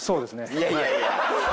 いやいやいや。